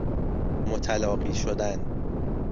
متلاقی شدن